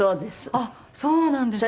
あっそうなんですね。